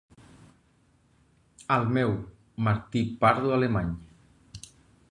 Al meu, Martí Pardo Alemany.